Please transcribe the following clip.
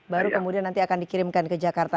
baru kemudian nanti akan dikirimkan ke jakarta